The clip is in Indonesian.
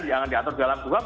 yang diatur dalam uap